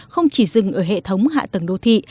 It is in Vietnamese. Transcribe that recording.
không chỉ dừng ở hệ thống hạ tầng đô thị